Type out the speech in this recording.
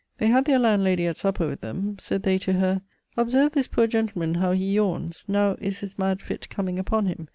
They had their landlady at supper with them; said they to her, 'Observe this poor gentleman how he yawnes, now is his mad fit comeing uppon him.